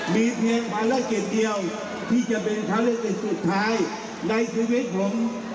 มีเพียงภารกิจเดียวที่จะเป็นภารกิจสุดท้ายในชีวิตผม